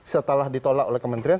setelah ditolak oleh kementerian